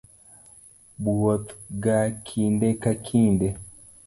buoth ga kinde ka kinde.